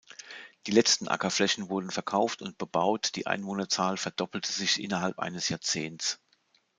Die letzten Ackerflächen wurden verkauft und bebaut, die Einwohnerzahl verdoppelte sich innerhalb eines Jahrzehnts.